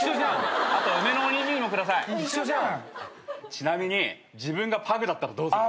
ちなみに自分がパグだったらどうする？